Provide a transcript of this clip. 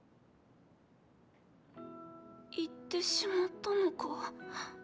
行ってしまったのか？